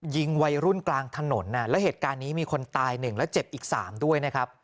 ยิงวัยรุ่นกลางถนนแล้วเหตุการณ์นี้มีคนตาย๑และเจ็บอีก๓ด้วยนะครับ